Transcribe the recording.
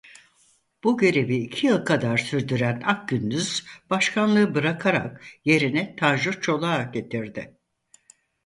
Bu görevi iki yıl kadar sürdüren Akgündüz başkanlığı bırakarak yerine Tanju Çolak'ı getirdi.